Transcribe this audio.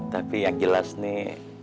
tapi yang jelas nih